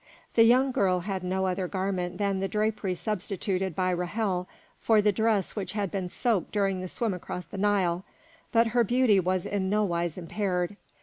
The young girl had no other garment than the drapery substituted by Ra'hel for the dress which had been soaked during the swim across the Nile, but her beauty was in no wise impaired.